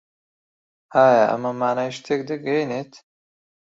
ئایا ئەمە مانای شتێک دەگەیەنێت؟